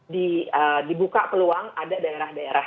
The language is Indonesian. dibuka peluang ada daerah daerah